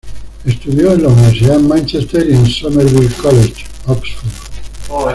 Estudió en la Universidad de Mánchester y en Somerville College, Oxford.